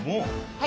はい。